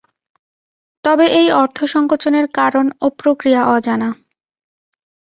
তবে এই অর্থসংকোচনের কারণ ও প্রক্রিয়া অজানা।